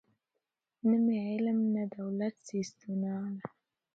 نه مي علم نه دولت سي ستنولای